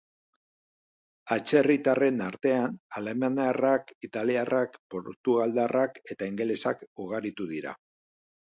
Atzerritarren artean, alemaniarrak, italiarrak, portugaldarrak eta ingelesak ugaritu dira.